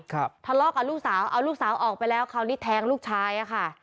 ทะเลาะกับลูกสาวเอาลูกสาวออกไปแล้วคราวนี้แทงลูกชายอ่ะค่ะ